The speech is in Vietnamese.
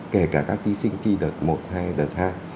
kể cả các thí sinh thi đợt một hay đợt hai